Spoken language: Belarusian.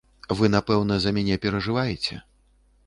Вы напэўна за мяне перажываеце?